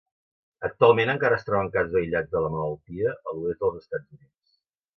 Actualment, encara es troben casos aïllats de la malaltia a l'oest dels Estats Units.